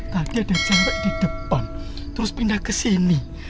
tadi ada cewek di depan terus pindah kesini